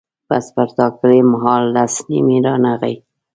بس پر ټاکلي مهال لس نیمې رانغی.